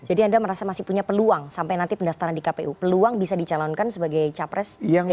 jadi anda merasa masih punya peluang sampai nanti pendaftaran di kpu peluang bisa dicalonkan sebagai capres gerindra